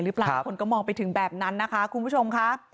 ทุกคนก็มองไปถึงแบบนั้น